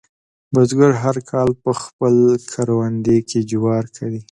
بزګر هر کال په خپل کروندې کې جوار کري.